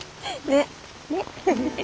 ねっ。